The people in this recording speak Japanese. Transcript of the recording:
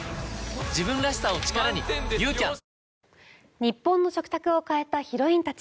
日本の食卓を変えたヒロインたち。